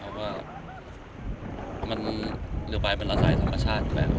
เพราะว่าเรือใบมันละสายธรรมชาติ